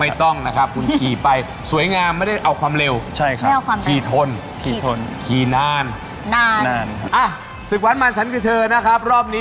ไม่ต้องนะครับคุณขี่ไปสวยงามไม่ได้เอาความเร็ว